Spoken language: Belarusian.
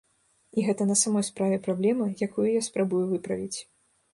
І гэта на самой справе праблема, якую я спрабую выправіць.